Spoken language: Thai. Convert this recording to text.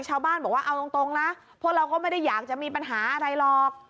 ชาวบ้านบอกว่าเอาตรงนะพวกเราก็ไม่ได้อยากจะมีปัญหาอะไรหรอก